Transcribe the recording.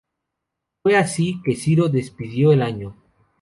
Fue así que Ciro despidió el año.